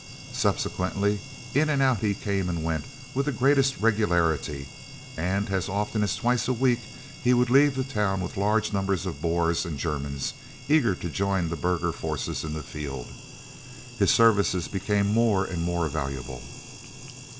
Subsequently, in and out he came and went, with the greatest regularity, and as often as twice a week he would leave the town with large numbers of Boers and Germans, eager to join the burgher forces in the field. His services became more and more valuable.